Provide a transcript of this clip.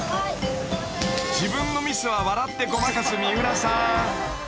［自分のミスは笑ってごまかす三浦さん］